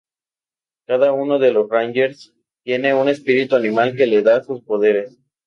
Cada uno de los Rangers tiene un espíritu animal que le da sus poderes.